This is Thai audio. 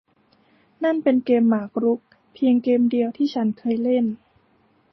นั่นเป็นเกมหมากรุกเพียงเกมเดียวที่ฉันเคยเล่น